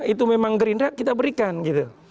itu memang gerindra kita berikan gitu